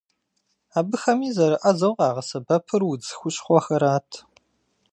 Абыхэми зэрыӏэзэу къагъэсэбэпыр удз хущхъуэхэрат.